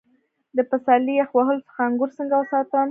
د پسرلي یخ وهلو څخه انګور څنګه وساتم؟